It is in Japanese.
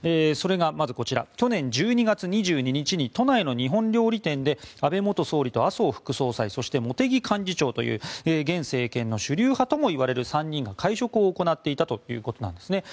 それがまずこちら去年１２月２２日に都内の日本料理店で安倍元総理と麻生副総裁そして、茂木幹事長という現政権の主流派ともいわれる３人が会食を行っていたということです。